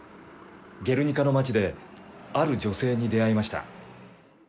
ゲルニカの町である女性に出会いました。